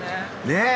ねえ！